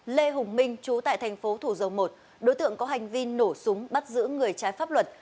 lê hùng minh chú tại thành phố thủ dầu một đối tượng có hành vi nổ súng bắt giữ người trái pháp luật